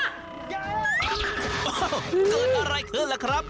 อ้าวเกิดอะไรขึ้นล่ะครับ